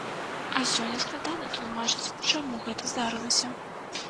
А сёння складна тлумачаць, чаму гэта здарылася.